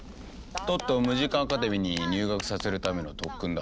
トットをムジカ・アカデミーに入学させるための特訓だ。